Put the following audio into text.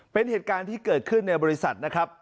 เป็นเหตุการณ์ที่เกิดขึ้นในบริษัทนะครับ